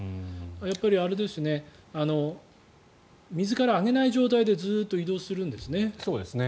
やっぱり水から揚げない状態でずっと移動するんですね。